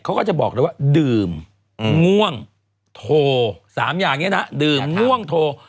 เขาก็จะบอกเลยว่าดื่มง่วงโทร๓อย่างนี้นะดื่มง่วงโทร